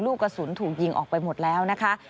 ลูกกระสุนถูกยิงออกไปหมดแล้วนะคะ